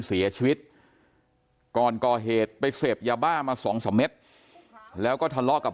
เสียชีวิตก่อนก่อเหตุไปเสพยาบ้ามาสองสามเม็ดแล้วก็ทะเลาะกับ